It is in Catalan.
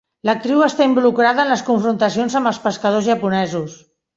L'actriu va estar involucrada en les confrontacions amb els pescadors japonesos.